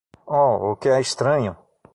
Oh, o que é estranho?